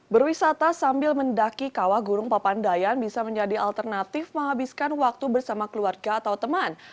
berwisata sambil mendaki kawah gunung papandayan bisa menjadi alternatif menghabiskan waktu bersama keluarga atau teman